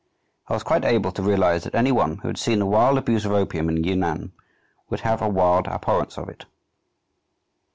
I was quite able to realize that any one who had seen the wild abuse of opium in Yunnan would have a wild abhorrence of it."